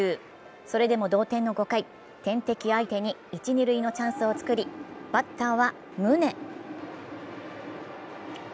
それでも同点の５回、天敵相手に一・二塁のチャンスをつくり、バッターは宗。